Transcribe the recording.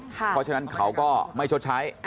เพราะฉะนั้นเขาก็ไม่ชดใช้